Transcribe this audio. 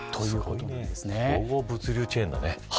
総合物流チェーンだね。